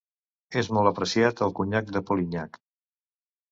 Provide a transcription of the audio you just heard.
És molt apreciat el conyac de Polignac.